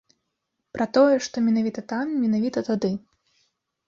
Пра тое, што менавіта там, менавіта тады.